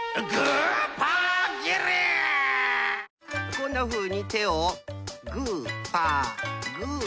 こんなふうに手をグーパーグーパー。